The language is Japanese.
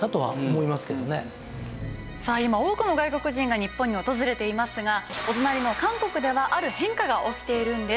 さあ今多くの外国人が日本に訪れていますがお隣の韓国ではある変化が起きているんです。